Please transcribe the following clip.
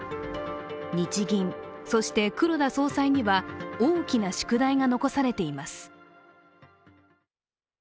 日銀、そして黒田総裁には大きな宿題が残されています。